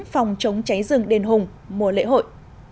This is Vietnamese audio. phòng chống cháy rừng đền hùng mùa lễ hội